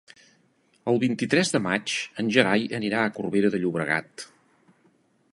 El vint-i-tres de maig en Gerai anirà a Corbera de Llobregat.